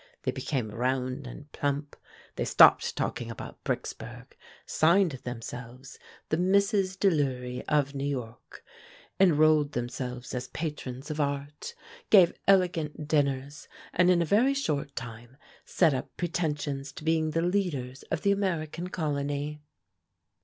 They became round and plump. They stopped talking about Bricksburg, signed themselves the Misses Delury of New York, enrolled themselves as patrons of art, gave elegant dinners, and in a very short time set up pretensions to being the leaders of the American colony.